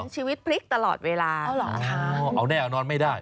เป็นชีวิตพลิกตลอดเวลาเอ้าเหรอคะเอาแน่เอานอนไม่ได้